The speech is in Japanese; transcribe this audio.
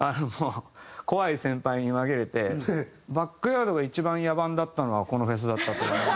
怖い先輩に紛れてバックヤードが一番野蛮だったのがこのフェスだったと。